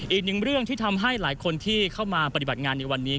อีกหนึ่งเรื่องที่ทำให้หลายคนที่เข้ามาปฏิบัติงานในวันนี้